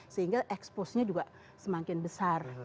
sehingga eksposnya juga semakin besar